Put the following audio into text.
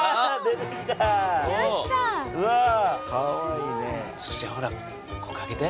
うわ！